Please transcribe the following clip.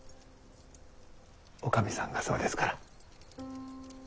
女将さんがそうですから。